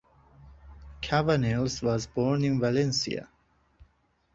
Cavanilles was born in Valencia.